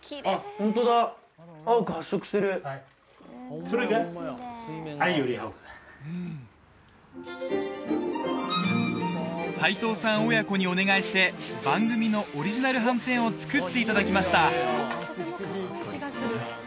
ホントだ青く発色してるそれが齋藤さん親子にお願いして番組のオリジナルはんてんを作っていただきました